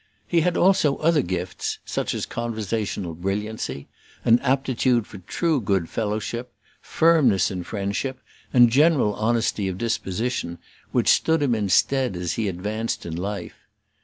He had also other gifts, such as conversational brilliancy, an aptitude for true good fellowship, firmness in friendship, and general honesty of disposition, which stood him in stead as he advanced in life.